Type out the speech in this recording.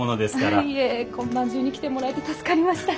ああいえ今晩中に来てもらえて助かりました。